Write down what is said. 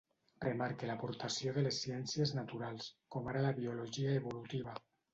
Remarque l'aportació de les ciències naturals, com ara la biologia evolutiva.